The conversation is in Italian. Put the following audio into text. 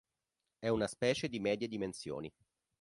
È una specie di medie dimensioni.